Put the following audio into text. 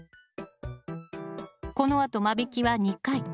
このあと間引きは２回。